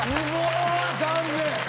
残念。